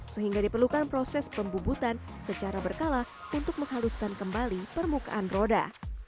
sehingga diperlukan proses pembubutan secara berkala untuk menghaluskan kembali permukaan roda